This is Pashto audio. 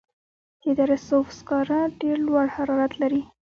د دره صوف سکاره ډیر لوړ حرارت لري.